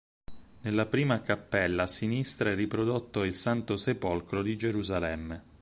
Nella prima cappella a sinistra è riprodotto il "Santo Sepolcro" di Gerusalemme.